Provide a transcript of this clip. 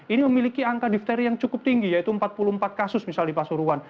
ini memiliki angka difteri yang cukup tinggi yaitu empat puluh empat kasus misalnya di pasuruan